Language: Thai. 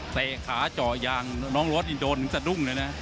เตะขาเจาะยางน้องรถนี่โดนถึงสะดุ้งเลยนะ